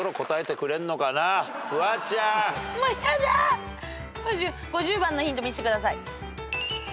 ５０のヒント見してください。